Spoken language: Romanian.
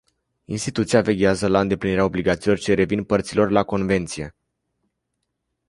Instituția veghează la îndeplinirea obligațiilor ce revin părților la convenție.